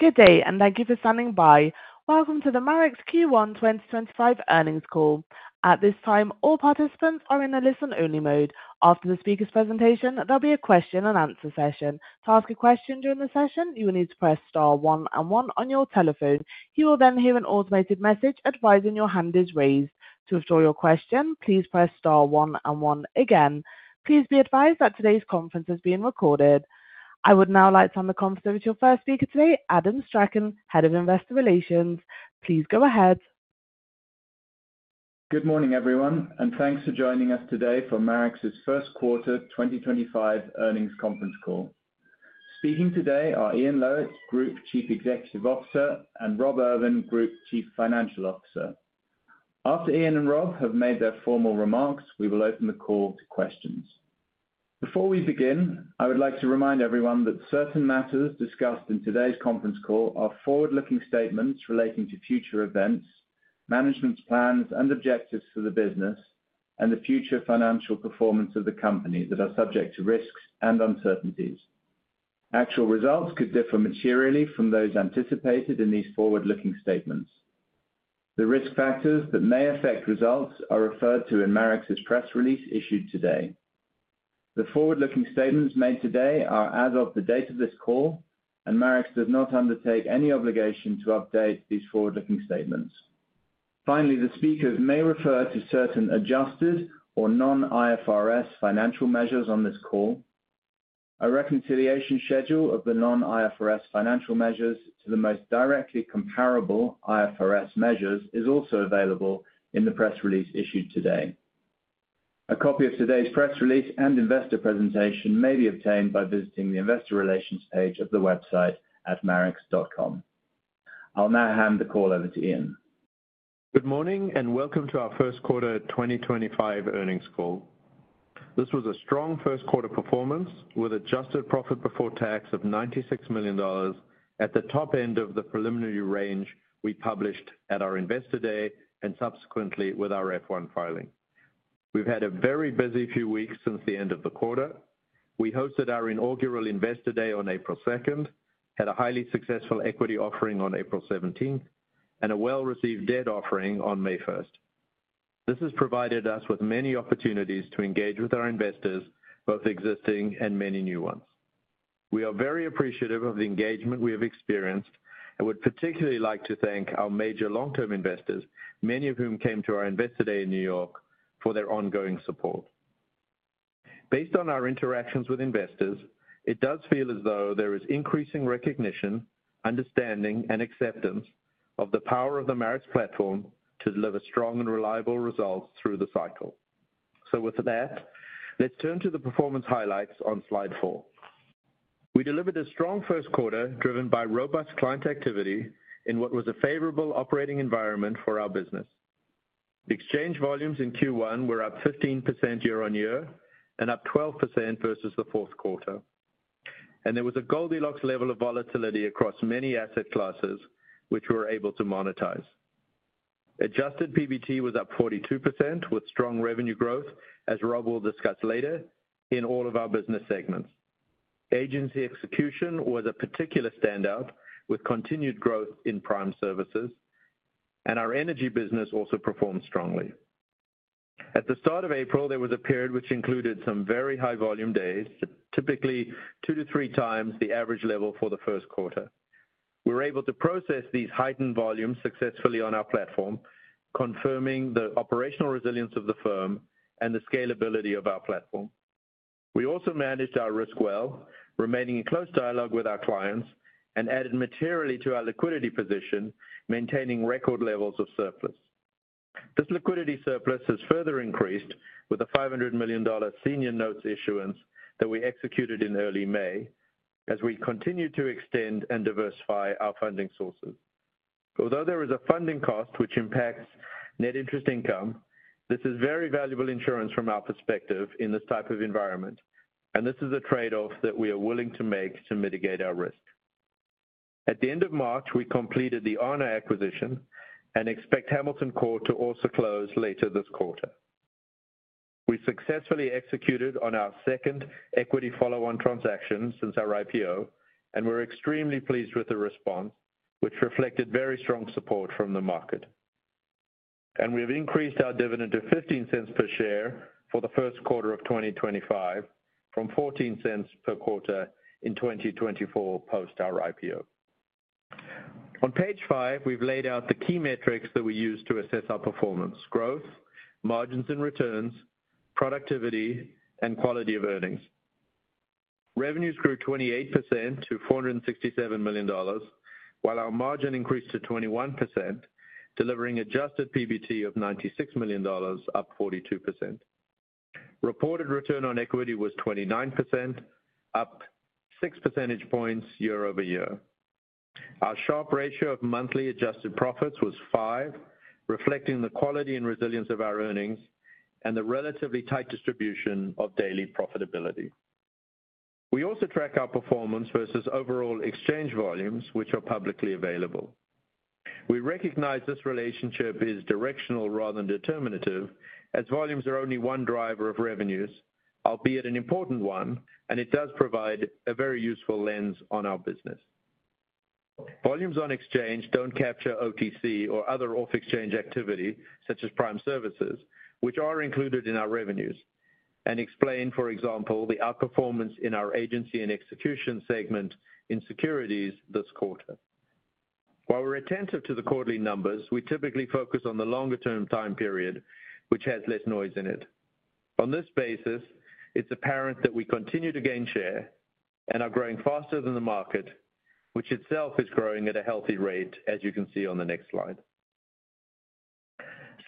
Good day, and thank you for standing by. Welcome to the Marex Q1 2025 earnings call. At this time, all participants are in a listen-only mode. After the speaker's presentation, there will be a question-and-answer session. To ask a question during the session, you will need to press star one and one on your telephone. You will then hear an automated message advising your hand is raised. To withdraw your question, please press star one and one again. Please be advised that today's conference is being recorded. I would now like to turn the conference over to your first speaker today, Adam Strachan, Head of Investor Relations. Please go ahead. Good morning, everyone, and thanks for joining us today for Marex's first quarter 2025 earnings conference call. Speaking today are Ian Lowitt, Group Chief Executive Officer, and Rob Irvin, Group Chief Financial Officer. After Ian and Rob have made their formal remarks, we will open the call to questions. Before we begin, I would like to remind everyone that certain matters discussed in today's conference call are forward-looking statements relating to future events, management's plans and objectives for the business, and the future financial performance of the company that are subject to risks and uncertainties. Actual results could differ materially from those anticipated in these forward-looking statements. The risk factors that may affect results are referred to in Marex's press release issued today. The forward-looking statements made today are as of the date of this call, and Marex does not undertake any obligation to update these forward-looking statements. Finally, the speakers may refer to certain adjusted or non-IFRS financial measures on this call. A reconciliation schedule of the non-IFRS financial measures to the most directly comparable IFRS measures is also available in the press release issued today. A copy of today's press release and investor presentation may be obtained by visiting the investor relations page of the website at marex.com. I'll now hand the call over to Ian. Good morning, and welcome to our first quarter 2025 earnings call. This was a strong first quarter performance with adjusted profit before tax of $96 million at the top end of the preliminary range we published at our Investor Day and subsequently with our F1 filing. We've had a very busy few weeks since the end of the quarter. We hosted our inaugural Investor Day on April 2nd, had a highly successful equity offering on April 17th, and a well-received debt offering on May 1st. This has provided us with many opportunities to engage with our investors, both existing and many new ones. We are very appreciative of the engagement we have experienced and would particularly like to thank our major long-term investors, many of whom came to our Investor Day in New York for their ongoing support. Based on our interactions with investors, it does feel as though there is increasing recognition, understanding, and acceptance of the power of the Marex platform to deliver strong and reliable results through the cycle. With that, let's turn to the performance highlights on slide four. We delivered a strong first quarter driven by robust client activity in what was a favorable operating environment for our business. Exchange volumes in Q1 were up 15% year-on-year and up 12% versus the fourth quarter. There was a Goldilocks level of volatility across many asset classes, which we were able to monetize. Adjusted PBT was up 42% with strong revenue growth, as Rob will discuss later, in all of our business segments. Agency and execution was a particular standout with continued growth in prime services, and our energy business also performed strongly. At the start of April, there was a period which included some very high volume days, typically two to three times the average level for the first quarter. We were able to process these heightened volumes successfully on our platform, confirming the operational resilience of the firm and the scalability of our platform. We also managed our risk well, remaining in close dialogue with our clients, and added materially to our liquidity position, maintaining record levels of surplus. This liquidity surplus has further increased with a $500 million senior notes issuance that we executed in early May as we continue to extend and diversify our funding sources. Although there is a funding cost which impacts net interest income, this is very valuable insurance from our perspective in this type of environment, and this is a trade-off that we are willing to make to mitigate our risk. At the end of March, we completed the Aarna acquisition and expect Hamilton Corp to also close later this quarter. We successfully executed on our second equity follow-on transaction since our IPO, and we are extremely pleased with the response, which reflected very strong support from the market. We have increased our dividend to $0.15 per share for the first quarter of 2025 from $0.14 per quarter in 2024 post our IPO. On page five, we have laid out the key metrics that we use to assess our performance: growth, margins and returns, productivity, and quality of earnings. Revenues grew 28% to $467 million, while our margin increased to 21%, delivering adjusted PBT of $96 million, up 42%. Reported return on equity was 29%, up 6 percentage points year-over-year. Our Sharpe ratio of monthly adjusted profits was 5, reflecting the quality and resilience of our earnings and the relatively tight distribution of daily profitability. We also track our performance versus overall exchange volumes, which are publicly available. We recognize this relationship is directional rather than determinative, as volumes are only one driver of revenues, albeit an important one, and it does provide a very useful lens on our business. Volumes on exchange do not capture OTC or other off-exchange activity such as prime services, which are included in our revenues, and explain, for example, the outperformance in our Agency and execution segment in securities this quarter. While we are attentive to the quarterly numbers, we typically focus on the longer-term time period, which has less noise in it. On this basis, it's apparent that we continue to gain share and are growing faster than the market, which itself is growing at a healthy rate, as you can see on the next slide.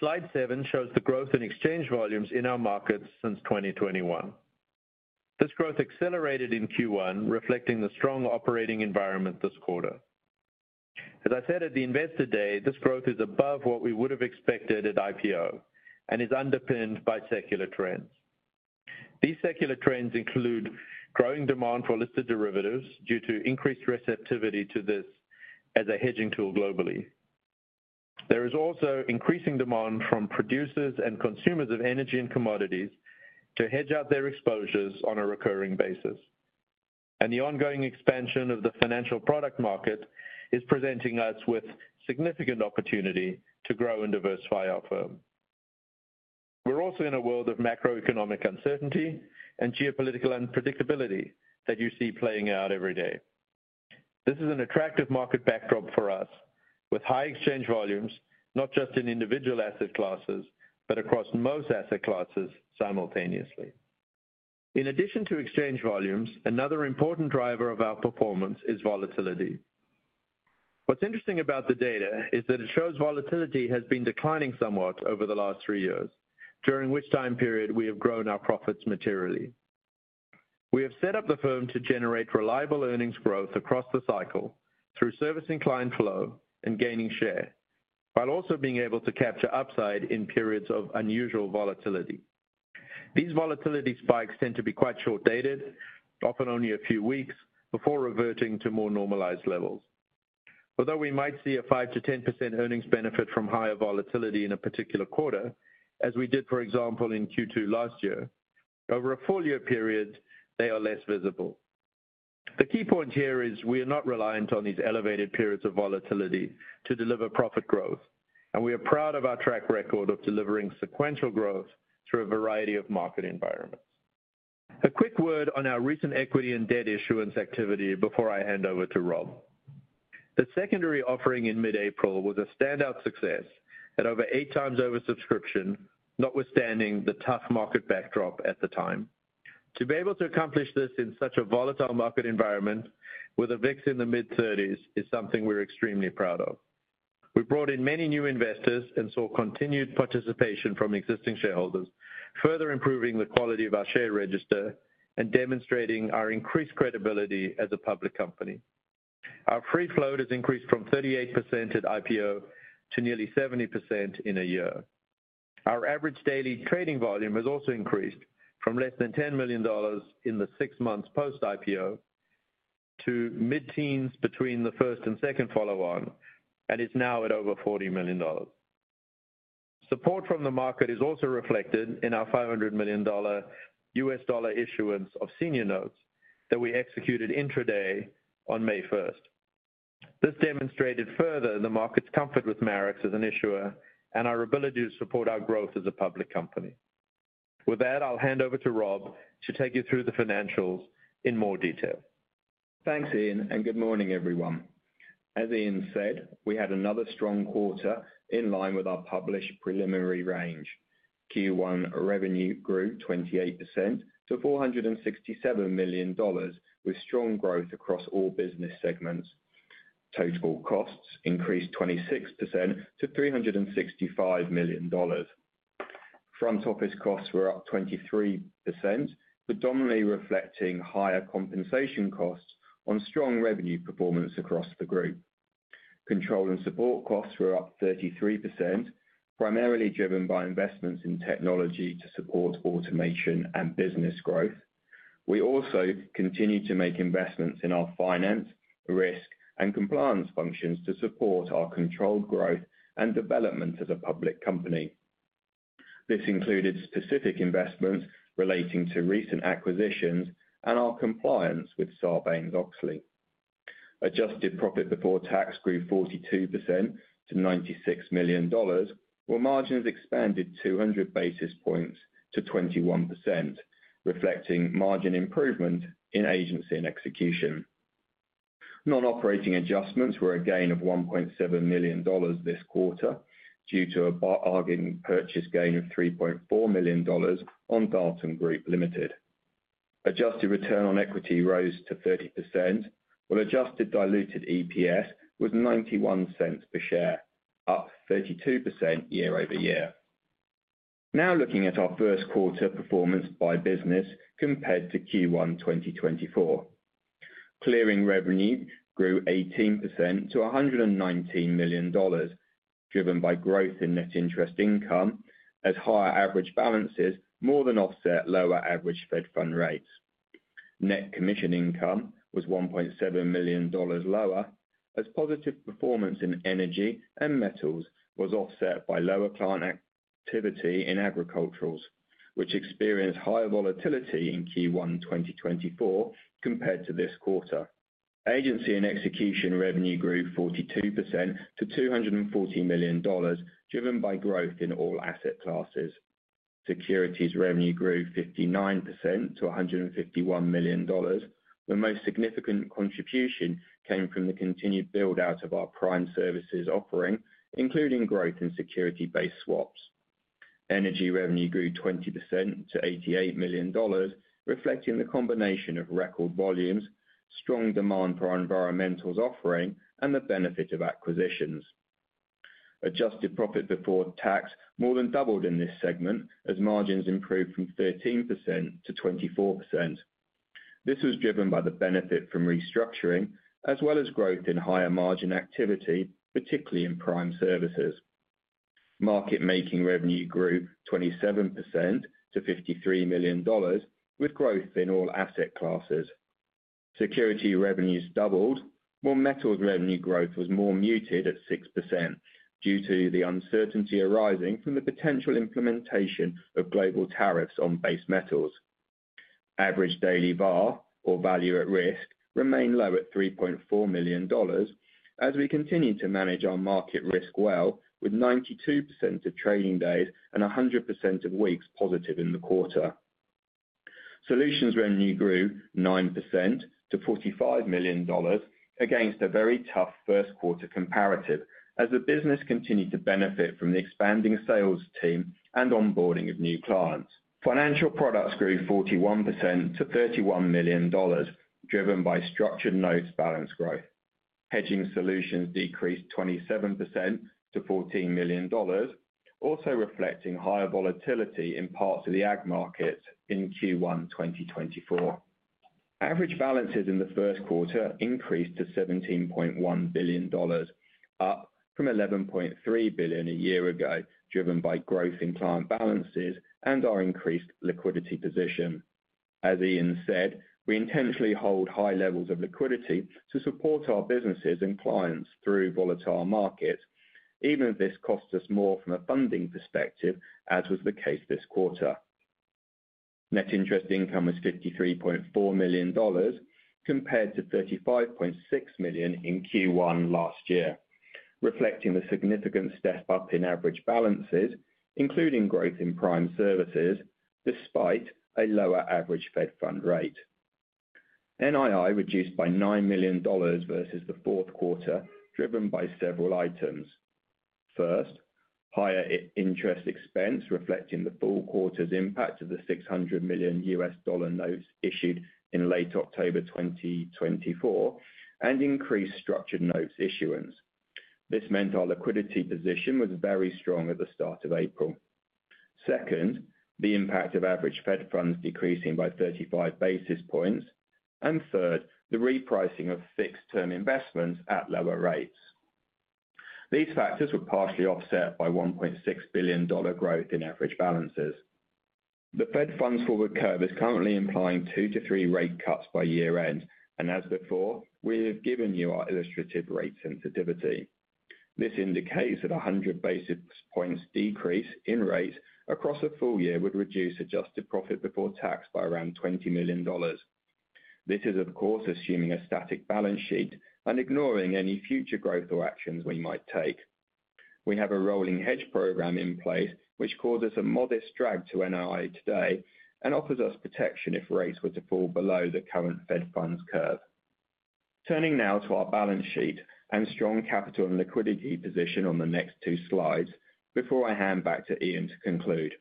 Slide seven shows the growth in exchange volumes in our markets since 2021. This growth accelerated in Q1, reflecting the strong operating environment this quarter. As I said at the Investor Day, this growth is above what we would have expected at IPO and is underpinned by secular trends. These secular trends include growing demand for listed derivatives due to increased receptivity to this as a hedging tool globally. There is also increasing demand from producers and consumers of energy and commodities to hedge out their exposures on a recurring basis. The ongoing expansion of the financial product market is presenting us with significant opportunity to grow and diversify our firm. We're also in a world of macroeconomic uncertainty and geopolitical unpredictability that you see playing out every day. This is an attractive market backdrop for us, with high exchange volumes, not just in individual asset classes, but across most asset classes simultaneously. In addition to exchange volumes, another important driver of our performance is volatility. What's interesting about the data is that it shows volatility has been declining somewhat over the last three years, during which time period we have grown our profits materially. We have set up the firm to generate reliable earnings growth across the cycle through servicing client flow and gaining share, while also being able to capture upside in periods of unusual volatility. These volatility spikes tend to be quite short-dated, often only a few weeks, before reverting to more normalized levels. Although we might see a 5%-10% earnings benefit from higher volatility in a particular quarter, as we did, for example, in Q2 last year, over a full year period, they are less visible. The key point here is we are not reliant on these elevated periods of volatility to deliver profit growth, and we are proud of our track record of delivering sequential growth through a variety of market environments. A quick word on our recent equity and debt issuance activity before I hand over to Rob. The secondary offering in mid-April was a standout success at over eight times oversubscription, notwithstanding the tough market backdrop at the time. To be able to accomplish this in such a volatile market environment with a VIX in the mid-30s is something we're extremely proud of. We brought in many new investors and saw continued participation from existing shareholders, further improving the quality of our share register and demonstrating our increased credibility as a public company. Our free float has increased from 38% at IPO to nearly 70% in a year. Our average daily trading volume has also increased from less than $10 million in the six months post IPO to mid-teens between the first and second follow-on, and it's now at over $40 million. Support from the market is also reflected in our $500 million U.S. dollar issuance of senior notes that we executed intraday on May 1st. This demonstrated further the market's comfort with Marex as an issuer and our ability to support our growth as a public company. With that, I'll hand over to Rob to take you through the financials in more detail. Thanks, Ian, and good morning, everyone. As Ian said, we had another strong quarter in line with our published preliminary range. Q1 revenue grew 28% to $467 million, with strong growth across all business segments. Total costs increased 26% to $365 million. Front office costs were up 23%, predominantly reflecting higher compensation costs on strong revenue performance across the group. Control and support costs were up 33%, primarily driven by investments in technology to support automation and business growth. We also continue to make investments in our finance, risk, and compliance functions to support our controlled growth and development as a public company. This included specific investments relating to recent acquisitions and our compliance with Sarbanes-Oxley. Adjusted profit before tax grew 42% to $96 million, while margins expanded 200 basis points to 21%, reflecting margin improvement in agency and execution. Non-operating adjustments were a gain of $1.7 million this quarter due to a bargain purchase gain of $3.4 million on Dalton Group Ltd. Adjusted return on equity rose to 30%, while adjusted diluted EPS was $0.91 per share, up 32% year-over-year. Now looking at our first quarter performance by business compared to Q1 2024, clearing revenue grew 18% to $119 million, driven by growth in net interest income as higher average balances more than offset lower average Fed funds rates. Net commission income was $1.7 million lower as positive performance in energy and metals was offset by lower client activity in agriculturals, which experienced higher volatility in Q1 2024 compared to this quarter. Agency and execution revenue grew 42% to $240 million, driven by growth in all asset classes. Securities revenue grew 59% to $151 million, where most significant contribution came from the continued build-out of our prime services offering, including growth in security-based swaps. Energy revenue grew 20% to $88 million, reflecting the combination of record volumes, strong demand for our environmentals offering, and the benefit of acquisitions. Adjusted profit before tax more than doubled in this segment as margins improved from 13% to 24%. This was driven by the benefit from restructuring as well as growth in higher margin activity, particularly in prime services. Market-making revenue grew 27% to $53 million, with growth in all asset classes. Security revenues doubled, while metals revenue growth was more muted at 6% due to the uncertainty arising from the potential implementation of global tariffs on base metals. Average daily VAR, or value at risk, remained low at $3.4 million as we continue to manage our market risk well, with 92% of trading days and 100% of weeks positive in the quarter. Solutions revenue grew 9% to $45 million against a very tough first quarter comparative as the business continued to benefit from the expanding sales team and onboarding of new clients. Financial products grew 41% to $31 million, driven by structured notes balance growth. Hedging solutions decreased 27% to $14 million, also reflecting higher volatility in parts of the ag markets in Q1 2024. Average balances in the first quarter increased to $17.1 billion, up from $11.3 billion a year ago, driven by growth in client balances and our increased liquidity position. As Ian said, we intentionally hold high levels of liquidity to support our businesses and clients through volatile markets, even if this costs us more from a funding perspective, as was the case this quarter. Net interest income was $53.4 million compared to $35.6 million in Q1 last year, reflecting the significant step up in average balances, including growth in prime services despite a lower average Fed funds rate. NII reduced by $9 million versus the fourth quarter, driven by several items. First, higher interest expense, reflecting the full quarter's impact of the 600 million U.S. dollar notes issued in late October 2024, and increased structured notes issuance. This meant our liquidity position was very strong at the start of April. Second, the impact of average Fed funds decreasing by 35 basis points. Third, the repricing of fixed-term investments at lower rates. These factors were partially offset by $1.6 billion growth in average balances. The Fed funds forward curve is currently implying two to three rate cuts by year-end, and as before, we have given you our illustrative rate sensitivity. This indicates that a 100 basis points decrease in rates across a full year would reduce adjusted profit before tax by around $20 million. This is, of course, assuming a static balance sheet and ignoring any future growth or actions we might take. We have a rolling hedge program in place, which causes a modest drag to NII today and offers us protection if rates were to fall below the current Fed funds curve. Turning now to our balance sheet and strong capital and liquidity position on the next two slides before I hand back to Ian to conclude.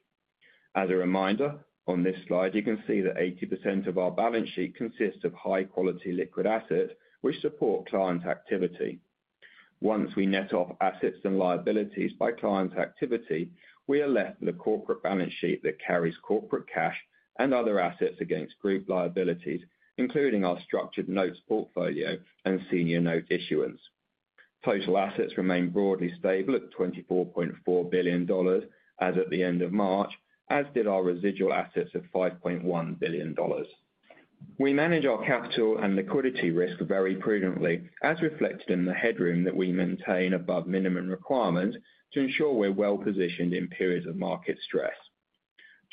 As a reminder, on this slide, you can see that 80% of our balance sheet consists of high-quality liquid assets which support client activity. Once we net off assets and liabilities by client activity, we are left with a corporate balance sheet that carries corporate cash and other assets against group liabilities, including our structured notes portfolio and senior note issuance. Total assets remain broadly stable at $24.4 billion as at the end of March, as did our residual assets of $5.1 billion. We manage our capital and liquidity risk very prudently, as reflected in the headroom that we maintain above minimum requirements to ensure we're well positioned in periods of market stress.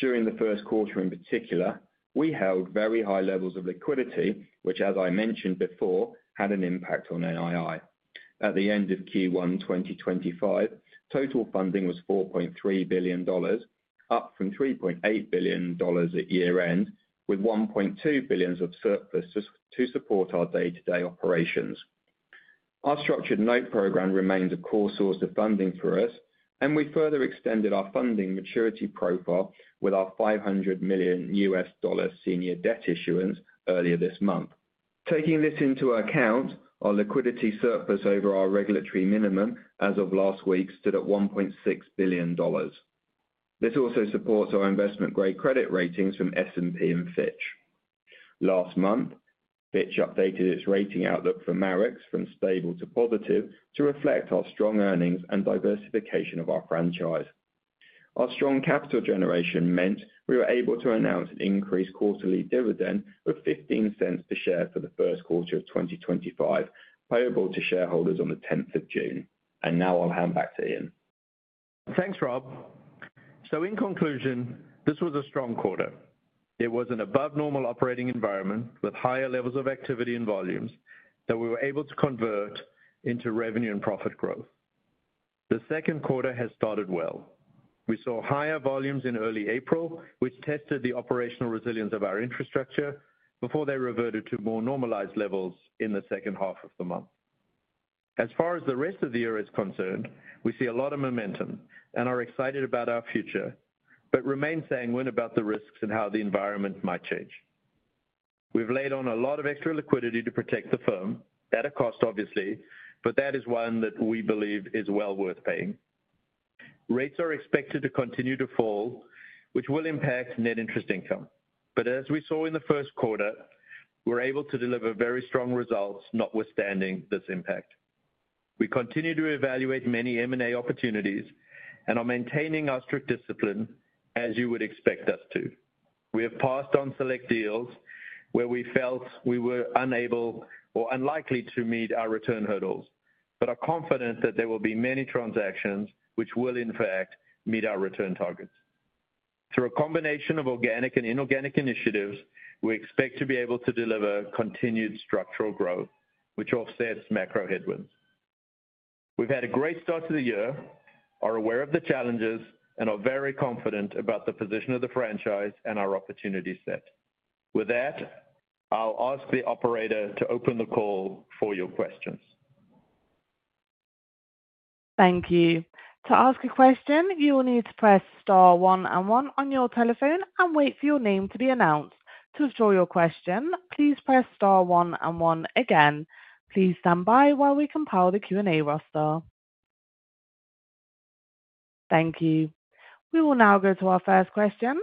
During the first quarter, in particular, we held very high levels of liquidity, which, as I mentioned before, had an impact on NII. At the end of Q1 2025, total funding was $4.3 billion, up from $3.8 billion at year-end, with $1.2 billion of surplus to support our day-to-day operations. Our structured note program remains a core source of funding for us, and we further extended our funding maturity profile with our 500 million U.S. dollar senior debt issuance earlier this month. Taking this into account, our liquidity surplus over our regulatory minimum as of last week stood at $1.6 billion. This also supports our investment-grade credit ratings from S&P and Fitch. Last month, Fitch updated its rating outlook for Marex from stable to positive to reflect our strong earnings and diversification of our franchise. Our strong capital generation meant we were able to announce an increased quarterly dividend of $0.15 per share for the first quarter of 2025, payable to shareholders on the 10th of June. I'll hand back to Ian. Thanks, Rob. In conclusion, this was a strong quarter. It was an above-normal operating environment with higher levels of activity and volumes that we were able to convert into revenue and profit growth. The second quarter has started well. We saw higher volumes in early April, which tested the operational resilience of our infrastructure before they reverted to more normalized levels in the second half of the month. As far as the rest of the year is concerned, we see a lot of momentum and are excited about our future, but remain sanguine about the risks and how the environment might change. We have laid on a lot of extra liquidity to protect the firm at a cost, obviously, but that is one that we believe is well worth paying. Rates are expected to continue to fall, which will impact net interest income. As we saw in the first quarter, we're able to deliver very strong results notwithstanding this impact. We continue to evaluate many M&A opportunities and are maintaining our strict discipline, as you would expect us to. We have passed on select deals where we felt we were unable or unlikely to meet our return hurdles, but are confident that there will be many transactions which will, in fact, meet our return targets. Through a combination of organic and inorganic initiatives, we expect to be able to deliver continued structural growth, which offsets macro headwinds. We've had a great start to the year, are aware of the challenges, and are very confident about the position of the franchise and our opportunity set. With that, I'll ask the operator to open the call for your questions. Thank you. To ask a question, you will need to press star one and one on your telephone and wait for your name to be announced. To withdraw your question, please press star one and one again. Please stand by while we compile the Q&A roster. Thank you. We will now go to our first question.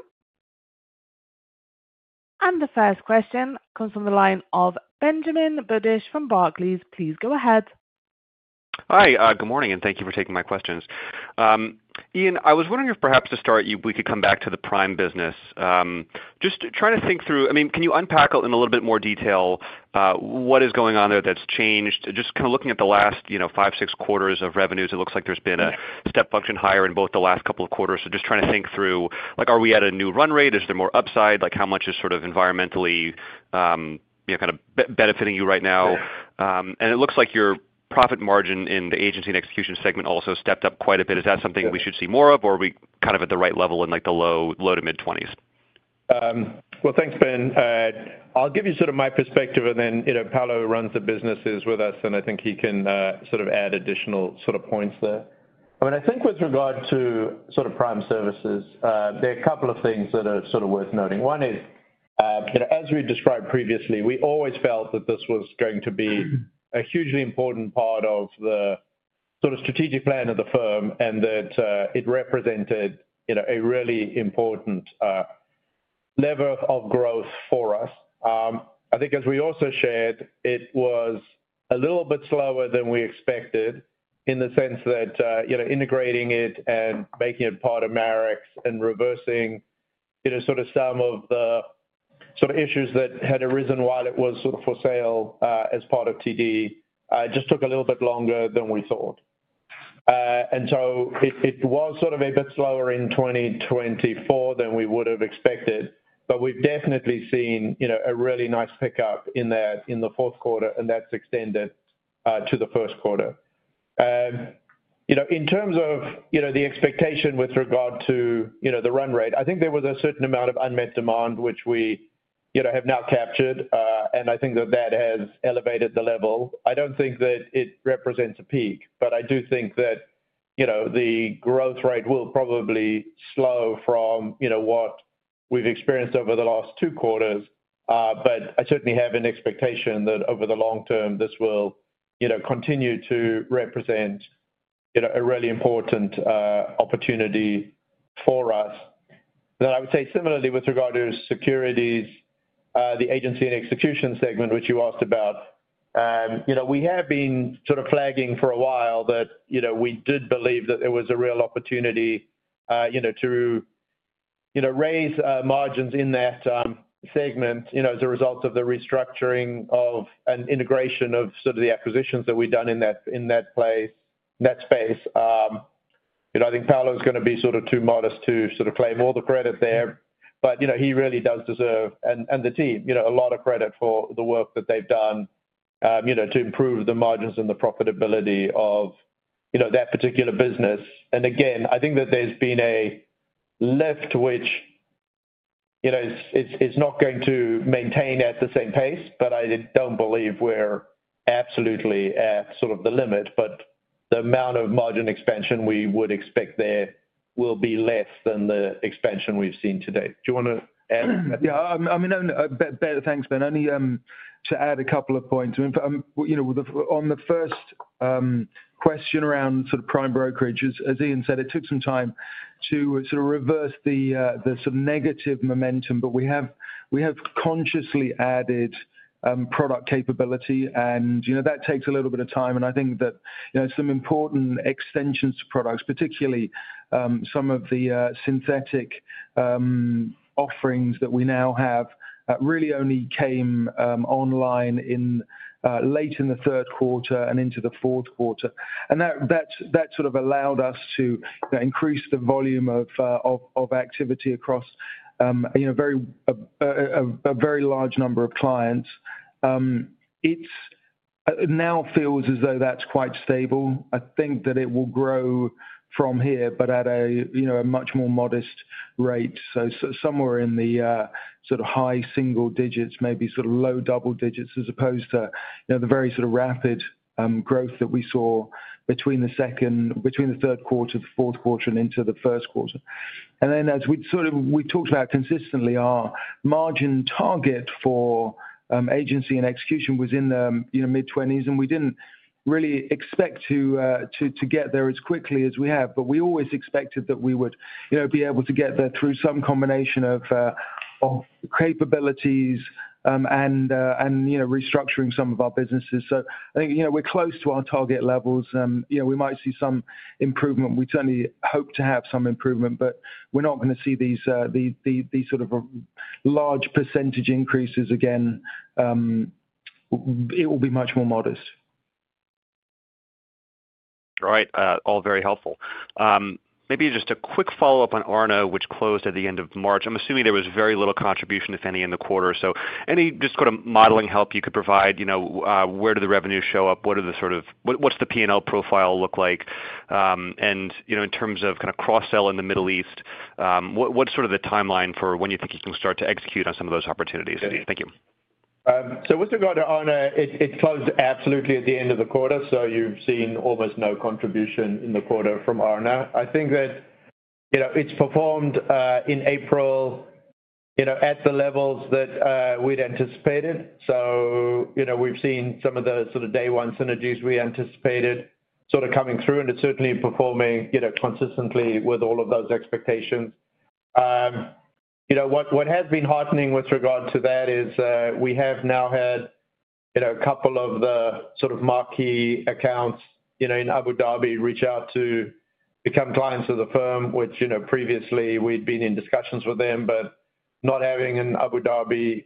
The first question comes from the line of Benjamin Budish from Barclays. Please go ahead. Hi, good morning, and thank you for taking my questions. Ian, I was wondering if perhaps to start, we could come back to the prime business. Just trying to think through, I mean, can you unpack in a little bit more detail what is going on there that's changed? Just kind of looking at the last five, six quarters of revenues, it looks like there's been a step function higher in both the last couple of quarters. Just trying to think through, are we at a new run rate? Is there more upside? How much is sort of environmentally kind of benefiting you right now? It looks like your profit margin in the agency and execution segment also stepped up quite a bit. Is that something we should see more of, or are we kind of at the right level in the low to mid-20%? Thanks, Ben. I'll give you sort of my perspective, and then Paolo runs the businesses with us, and I think he can sort of add additional sort of points there. I mean, I think with regard to sort of prime services, there are a couple of things that are sort of worth noting. One is, as we described previously, we always felt that this was going to be a hugely important part of the sort of strategic plan of the firm and that it represented a really important lever of growth for us. I think, as we also shared, it was a little bit slower than we expected in the sense that integrating it and making it part of Marex and reversing sort of some of the sort of issues that had arisen while it was sort of for sale as part of TD just took a little bit longer than we thought. It was sort of a bit slower in 2024 than we would have expected, but we've definitely seen a really nice pickup in that in the fourth quarter, and that's extended to the first quarter. In terms of the expectation with regard to the run rate, I think there was a certain amount of unmet demand, which we have now captured, and I think that that has elevated the level. I don't think that it represents a peak, but I do think that the growth rate will probably slow from what we've experienced over the last two quarters. I certainly have an expectation that over the long term, this will continue to represent a really important opportunity for us. I would say, similarly, with regard to securities, the agency and execution segment, which you asked about, we have been sort of flagging for a while that we did believe that there was a real opportunity to raise margins in that segment as a result of the restructuring and integration of sort of the acquisitions that we've done in that place, in that space. I think Paolo is going to be sort of too modest to sort of claim all the credit there, but he really does deserve, and the team, a lot of credit for the work that they've done to improve the margins and the profitability of that particular business. Again, I think that there's been a lift, which it's not going to maintain at the same pace, but I don't believe we're absolutely at sort of the limit. The amount of margin expansion we would expect there will be less than the expansion we've seen today. Do you want to add? Yeah. I mean, thanks, Ben. Only to add a couple of points. On the first question around sort of prime brokerage, as Ian said, it took some time to sort of reverse the sort of negative momentum, but we have consciously added product capability, and that takes a little bit of time. I think that some important extensions to products, particularly some of the synthetic offerings that we now have, really only came online late in the third quarter and into the fourth quarter. That sort of allowed us to increase the volume of activity across a very large number of clients. It now feels as though that's quite stable. I think that it will grow from here, but at a much more modest rate, so somewhere in the sort of high single-digits, maybe sort of low double-digits, as opposed to the very sort of rapid growth that we saw between the second, between the third quarter, the fourth quarter, and into the first quarter. As we sort of talked about consistently, our margin target for Agency and execution was in the mid-20%, and we did not really expect to get there as quickly as we have, but we always expected that we would be able to get there through some combination of capabilities and restructuring some of our businesses. I think we are close to our target levels. We might see some improvement. We certainly hope to have some improvement, but we are not going to see these sort of large percentage increases again. It will be much more modest. All right. All very helpful. Maybe just a quick follow-up on Aarna, which closed at the end of March. I'm assuming there was very little contribution, if any, in the quarter. Any just sort of modeling help you could provide? Where do the revenues show up? What are the sort of what's the P&L profile look like? In terms of kind of cross-sell in the Middle East, what's sort of the timeline for when you think you can start to execute on some of those opportunities? Thank you. With regard to Aarna, it closed absolutely at the end of the quarter, so you've seen almost no contribution in the quarter from Aarna. I think that it's performed in April at the levels that we'd anticipated. We've seen some of the sort of day-one synergies we anticipated coming through, and it's certainly performing consistently with all of those expectations. What has been heartening with regard to that is we have now had a couple of the sort of marquee accounts in Abu Dhabi reach out to become clients of the firm, which previously we'd been in discussions with them, but not having an Abu Dhabi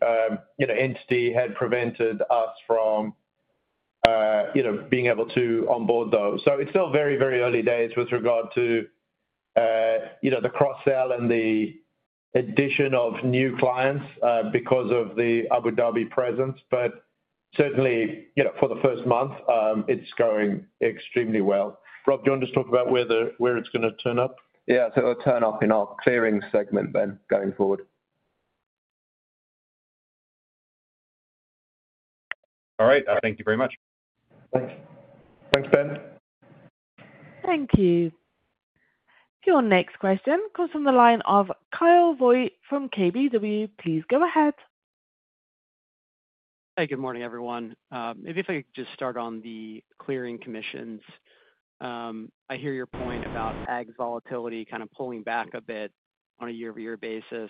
entity had prevented us from being able to onboard those. It's still very, very early days with regard to the cross-sell and the addition of new clients because of the Abu Dhabi presence, but certainly for the first month, it's going extremely well. Rob, do you want to just talk about where it's going to turn up? Yeah, so it'll turn up in our Clearing segment, Ben, going forward. All right. Thank you very much. Thanks. Thanks, Ben. Thank you. Your next question comes from the line of Kyle Voigt from KBW. Please go ahead. Hi, good morning, everyone. Maybe if I could just start on the Clearing commissions. I hear your point about Ag's volatility kind of pulling back a bit on a year-over-year basis.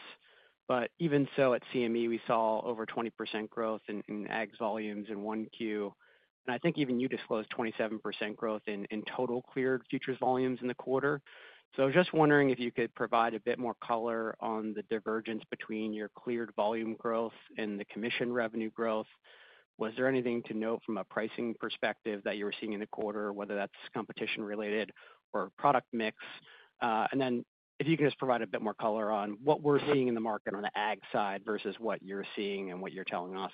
Even so, at CME, we saw over 20% growth in Ag's volumes in 1Q. I think even you disclosed 27% growth in total cleared futures volumes in the quarter. I was just wondering if you could provide a bit more color on the divergence between your cleared volume growth and the commission revenue growth. Was there anything to note from a pricing perspective that you were seeing in the quarter, whether that's competition-related or product mix? If you can just provide a bit more color on what we're seeing in the market on the Ag side versus what you're seeing and what you're telling us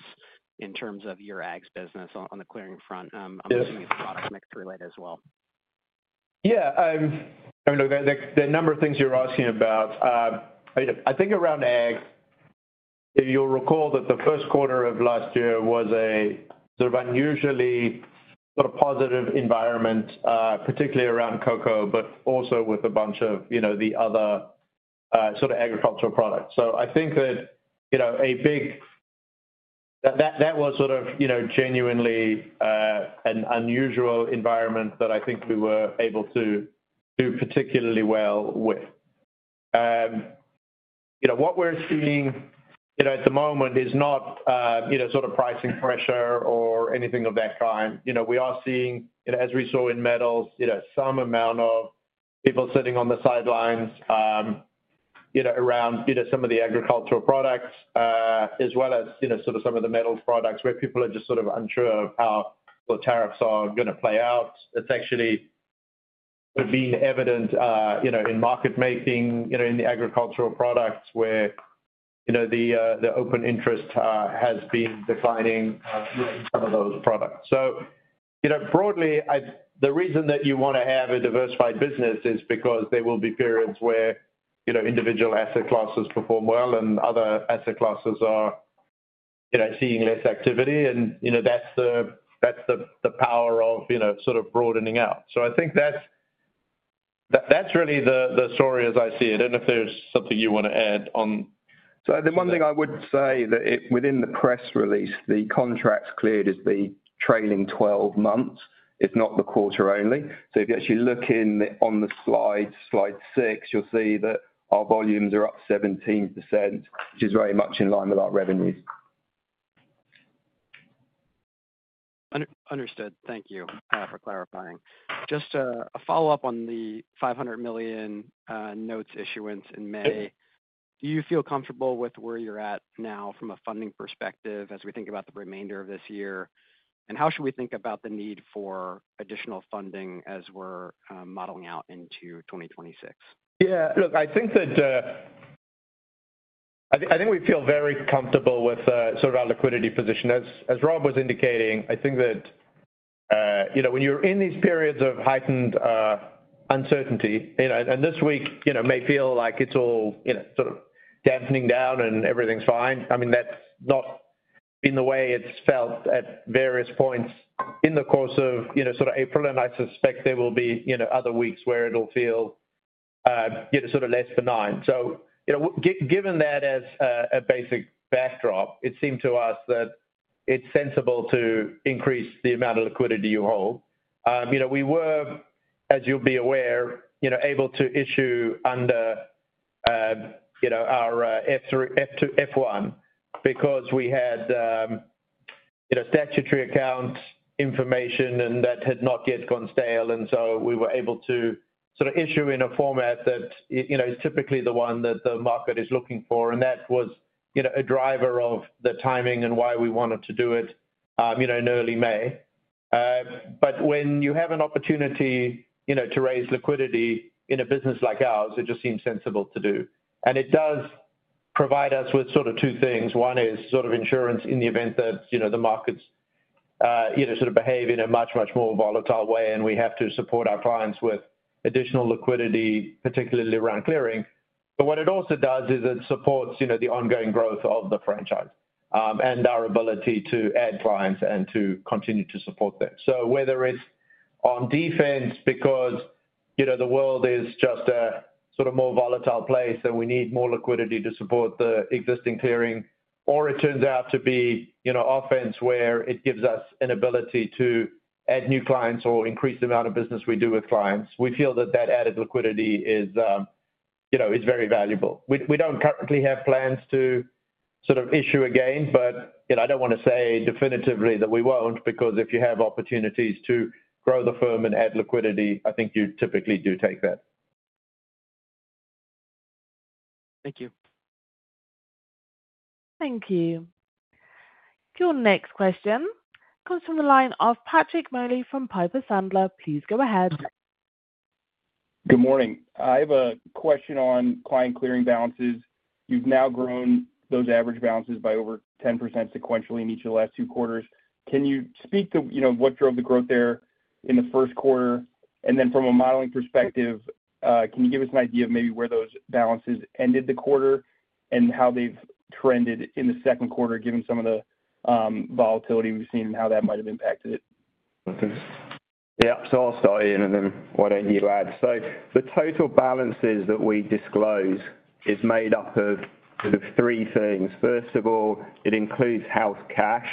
in terms of your Ag's business on the clearing front, I'm assuming it's product mix-related as well. Yeah. I mean, look, the number of things you're asking about, I think around Ag, you'll recall that the first quarter of last year was a sort of unusually sort of positive environment, particularly around cocoa, but also with a bunch of the other sort of agricultural products. I think that a big that was sort of genuinely an unusual environment that I think we were able to do particularly well with. What we're seeing at the moment is not sort of pricing pressure or anything of that kind. We are seeing, as we saw in metals, some amount of people sitting on the sidelines around some of the agricultural products, as well as sort of some of the metal products where people are just sort of unsure of how the tariffs are going to play out. It's actually been evident in market making in the agricultural products where the open interest has been declining in some of those products. Broadly, the reason that you want to have a diversified business is because there will be periods where individual asset classes perform well and other asset classes are seeing less activity, and that's the power of sort of broadening out. I think that's really the story as I see it. I don't know if there's something you want to add on. The one thing I would say is that within the press release, the contracts cleared is the trailing 12 months. It's not the quarter only. If you actually look on the slide, slide 6, you'll see that our volumes are up 17%, which is very much in line with our revenues. Understood. Thank you for clarifying. Just a follow-up on the $500 million notes issuance in May. Do you feel comfortable with where you're at now from a funding perspective as we think about the remainder of this year? How should we think about the need for additional funding as we're modeling out into 2026? Yeah. Look, I think that we feel very comfortable with sort of our liquidity position. As Rob was indicating, I think that when you're in these periods of heightened uncertainty, and this week may feel like it's all sort of dampening down and everything's fine, I mean, that's not been the way it's felt at various points in the course of sort of April, and I suspect there will be other weeks where it'll feel sort of less benign. Given that as a basic backdrop, it seemed to us that it's sensible to increase the amount of liquidity you hold. We were, as you'll be aware, able to issue under our F1 because we had statutory account information and that had not yet gone stale. We were able to sort of issue in a format that is typically the one that the market is looking for, and that was a driver of the timing and why we wanted to do it in early May. When you have an opportunity to raise liquidity in a business like ours, it just seems sensible to do. It does provide us with sort of two things. One is sort of insurance in the event that the markets sort of behave in a much, much more volatile way, and we have to support our clients with additional liquidity, particularly around clearing. What it also does is it supports the ongoing growth of the franchise and our ability to add clients and to continue to support them. Whether it's on defense because the world is just a sort of more volatile place and we need more liquidity to support the existing clearing, or it turns out to be offense where it gives us an ability to add new clients or increase the amount of business we do with clients, we feel that that added liquidity is very valuable. We do not currently have plans to sort of issue again, but I do not want to say definitively that we will not because if you have opportunities to grow the firm and add liquidity, I think you typically do take that. Thank you. Thank you. Your next question comes from the line of Patrick Moley from Piper Sandler. Please go ahead. Good morning. I have a question on client clearing balances. You've now grown those average balances by over 10% sequentially in each of the last two quarters. Can you speak to what drove the growth there in the first quarter? From a modeling perspective, can you give us an idea of maybe where those balances ended the quarter and how they've trended in the second quarter, given some of the volatility we've seen and how that might have impacted it? Yeah. I'll start here, and then whatever you add. The total balances that we disclose is made up of three things. First of all, it includes house cash.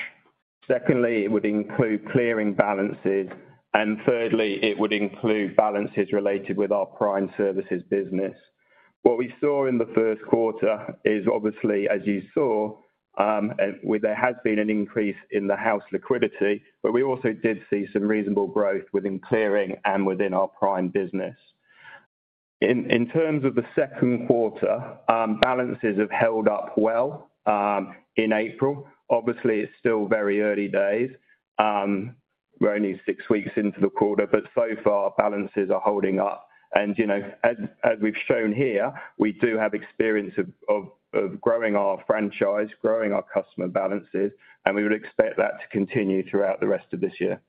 Secondly, it would include clearing balances. Thirdly, it would include balances related with our prime services business. What we saw in the first quarter is, obviously, as you saw, there has been an increase in the house liquidity, but we also did see some reasonable growth within clearing and within our prime business. In terms of the second quarter, balances have held up well in April. Obviously, it's still very early days. We're only six weeks into the quarter, but so far, balances are holding up. As we've shown here, we do have experience of growing our franchise, growing our customer balances, and we would expect that to continue throughout the rest of this year.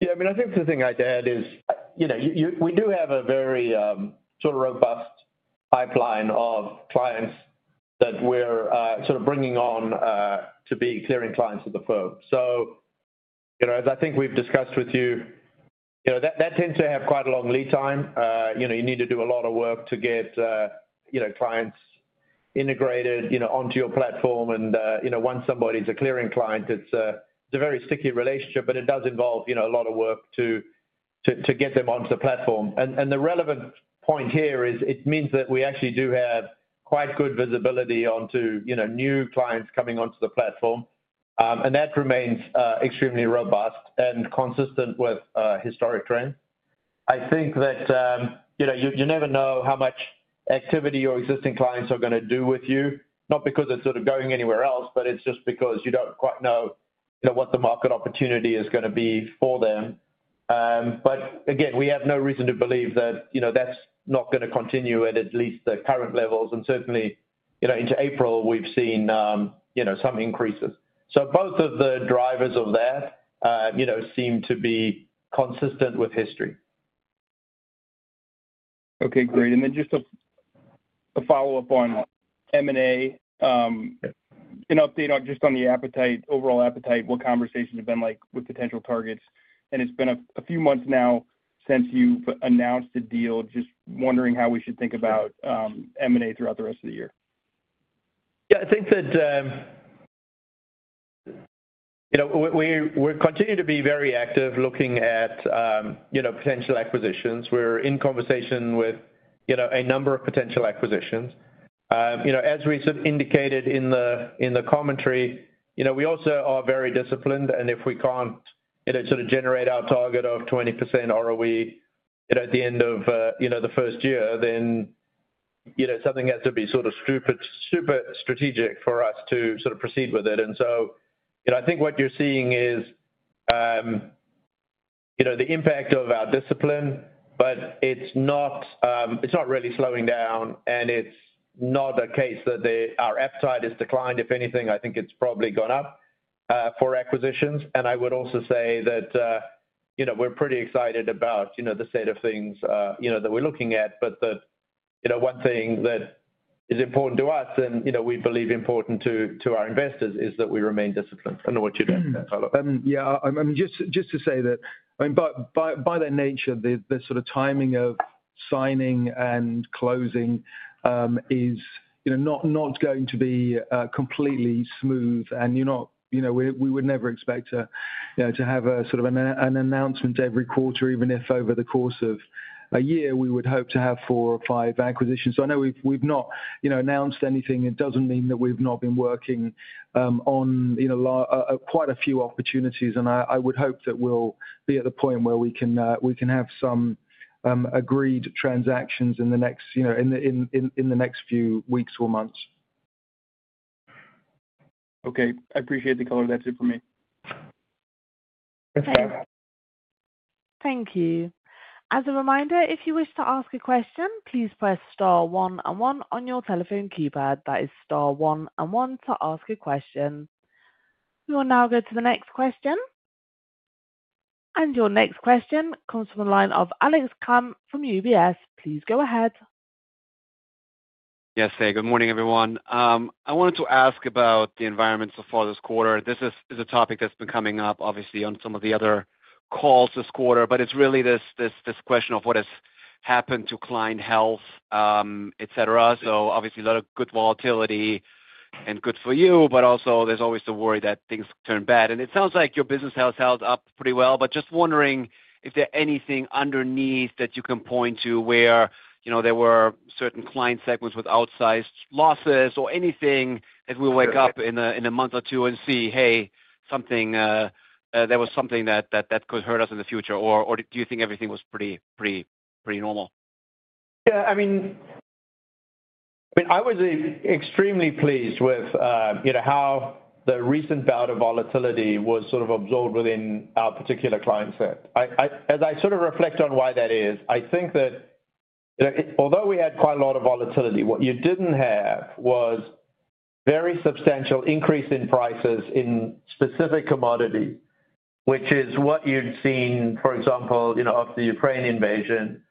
Yeah. I mean, I think the thing I'd add is we do have a very sort of robust pipeline of clients that we're sort of bringing on to be clearing clients of the firm. As I think we've discussed with you, that tends to have quite a long lead time. You need to do a lot of work to get clients integrated onto your platform. Once somebody's a clearing client, it's a very sticky relationship, but it does involve a lot of work to get them onto the platform. The relevant point here is it means that we actually do have quite good visibility onto new clients coming onto the platform, and that remains extremely robust and consistent with historic trends. I think that you never know how much activity your existing clients are going to do with you, not because it's sort of going anywhere else, but it's just because you don't quite know what the market opportunity is going to be for them. We have no reason to believe that that's not going to continue at at least the current levels. Certainly, into April, we've seen some increases. Both of the drivers of that seem to be consistent with history. Okay. Great. Just a follow-up on M&A, an update just on the appetite, overall appetite, what conversations have been like with potential targets. It's been a few months now since you've announced a deal. Just wondering how we should think about M&A throughout the rest of the year. Yeah. I think that we continue to be very active looking at potential acquisitions. We're in conversation with a number of potential acquisitions. As we sort of indicated in the commentary, we also are very disciplined, and if we can't sort of generate our target of 20% ROE at the end of the first year, then something has to be sort of super strategic for us to sort of proceed with it. I think what you're seeing is the impact of our discipline, but it's not really slowing down, and it's not a case that our appetite has declined. If anything, I think it's probably gone up for acquisitions. I would also say that we're pretty excited about the set of things that we're looking at, but that one thing that is important to us, and we believe important to our investors, is that we remain disciplined. I don't know what you'd add to that, Paolo. Yeah. I mean, just to say that, I mean, by their nature, the sort of timing of signing and closing is not going to be completely smooth, and we would never expect to have sort of an announcement every quarter, even if over the course of a year we would hope to have four or five acquisitions. I know we've not announced anything. It doesn't mean that we've not been working on quite a few opportunities, and I would hope that we'll be at the point where we can have some agreed transactions in the next few weeks or months. Okay. I appreciate the color. That's it for me. Okay. Thank you. As a reminder, if you wish to ask a question, please press star one and one on your telephone keypad. That is star one and one to ask a question. We will now go to the next question. Your next question comes from the line of Alex Kramm from UBS. Please go ahead. Yes, there. Good morning, everyone. I wanted to ask about the environment so far this quarter. This is a topic that's been coming up, obviously, on some of the other calls this quarter, but it's really this question of what has happened to client health, etc. Obviously, a lot of good volatility and good for you, but also there's always the worry that things turn bad. It sounds like your business has held up pretty well, but just wondering if there's anything underneath that you can point to where there were certain client segments with outsized losses or anything that we wake up in a month or two and see, "Hey, there was something that could hurt us in the future," or do you think everything was pretty normal? Yeah. I mean, I was extremely pleased with how the recent bout of volatility was sort of absorbed within our particular client set. As I sort of reflect on why that is, I think that although we had quite a lot of volatility, what you did not have was a very substantial increase in prices in specific commodities, which is what you had seen, for example, after the Ukraine invasion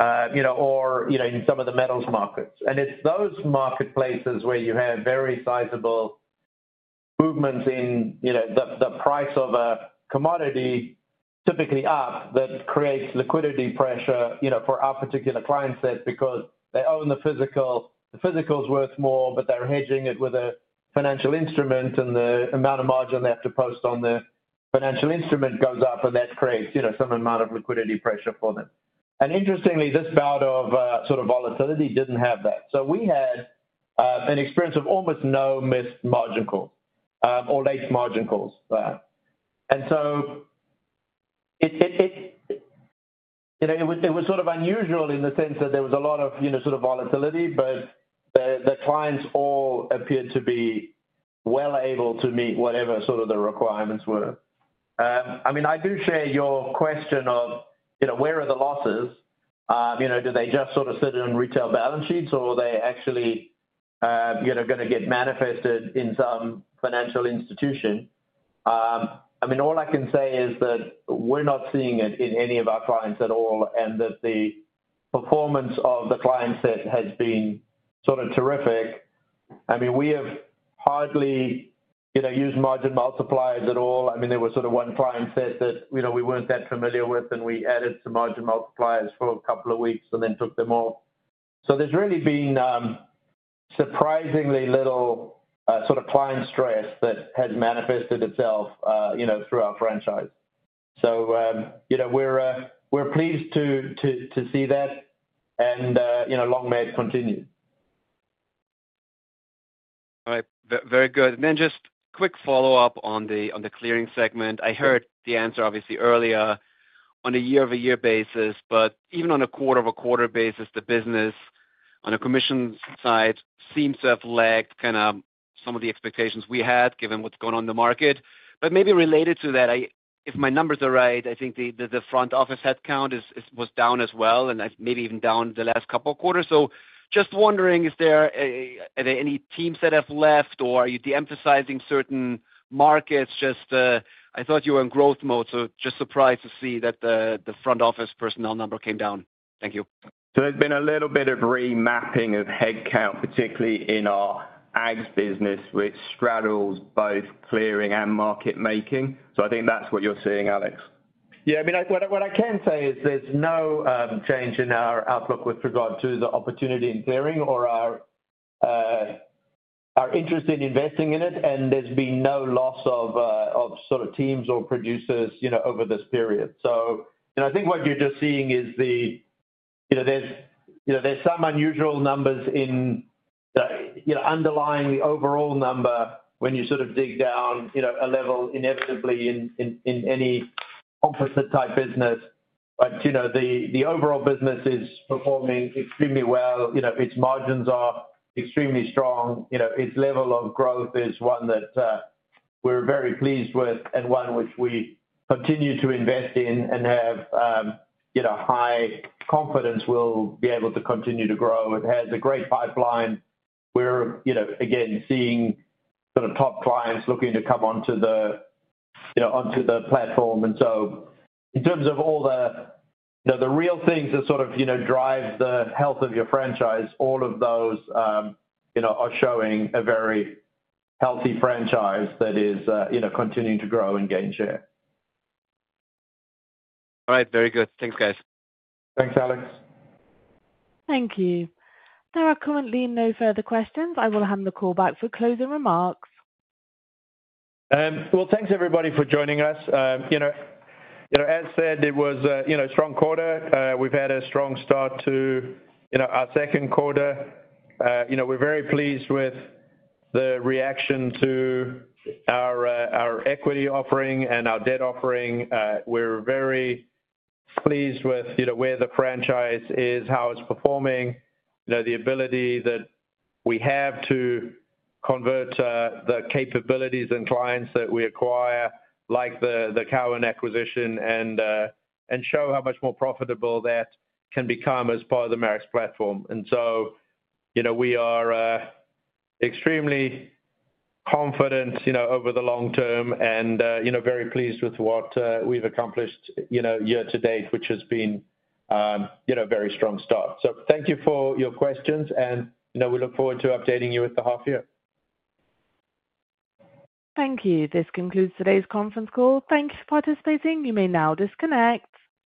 or in some of the metals markets. It is those marketplaces where you have very sizable movements in the price of a commodity, typically up, that creates liquidity pressure for our particular client set because they own the physical. The physical is worth more, but they are hedging it with a financial instrument, and the amount of margin they have to post on the financial instrument goes up, and that creates some amount of liquidity pressure for them. Interestingly, this bout of sort of volatility did not have that. We had an experience of almost no missed margin calls or late margin calls. It was sort of unusual in the sense that there was a lot of sort of volatility, but the clients all appeared to be well able to meet whatever sort of the requirements were. I mean, I do share your question of where are the losses. Do they just sort of sit in retail balance sheets, or are they actually going to get manifested in some financial institution? I mean, all I can say is that we are not seeing it in any of our clients at all, and that the performance of the client set has been sort of terrific. I mean, we have hardly used margin multipliers at all. I mean, there was sort of one client set that we were not that familiar with, and we added some margin multipliers for a couple of weeks and then took them off. There has really been surprisingly little sort of client stress that has manifested itself through our franchise. We are pleased to see that, and long may it continue. All right. Very good. Just quick follow-up on the Clearing segment. I heard the answer, obviously, earlier on a year-over-year basis, but even on a quarter-over-quarter basis, the business on a commissions side seems to have lagged kind of some of the expectations we had given what's going on in the market. Maybe related to that, if my numbers are right, I think the front office headcount was down as well, and maybe even down the last couple of quarters. Just wondering, are there any teams that have left, or are you de-emphasizing certain markets? I just thought you were in growth mode, so just surprised to see that the front office personnel number came down. Thank you. There's been a little bit of remapping of headcount, particularly in our ag business, which straddles both clearing and market making. I think that's what you're seeing, Alex. Yeah. I mean, what I can say is there's no change in our outlook with regard to the opportunity in clearing or our interest in investing in it, and there's been no loss of sort of teams or producers over this period. I think what you're just seeing is there's some unusual numbers underlying the overall number when you sort of dig down a level inevitably in any composite-type business. The overall business is performing extremely well. Its margins are extremely strong. Its level of growth is one that we're very pleased with and one which we continue to invest in and have high confidence we'll be able to continue to grow. It has a great pipeline. We're, again, seeing sort of top clients looking to come onto the platform. In terms of all the real things that sort of drive the health of your franchise, all of those are showing a very healthy franchise that is continuing to grow and gain share. All right. Very good. Thanks, guys. Thanks, Alex. Thank you. There are currently no further questions. I will hand the call back for closing remarks. Thanks, everybody, for joining us. As said, it was a strong quarter. We've had a strong start to our second quarter. We're very pleased with the reaction to our equity offering and our debt offering. We're very pleased with where the franchise is, how it's performing, the ability that we have to convert the capabilities and clients that we acquire, like the Cowen acquisition, and show how much more profitable that can become as part of the Marex platform. We are extremely confident over the long term and very pleased with what we've accomplished year to date, which has been a very strong start. Thank you for your questions, and we look forward to updating you with the half year. Thank you. This concludes today's conference call. Thank you for participating. You may now disconnect.